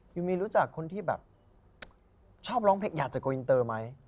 มีรู้จักคนที่แบบชอบร้องเพลงอยากจะโกวินเตอร์ไหม